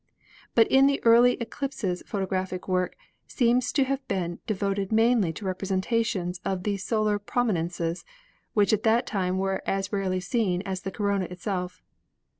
But in the early eclipses photographic work seems to have been devoted mainly to representations of the so lar prominences, which at that time were as rarely seen as the corona itself.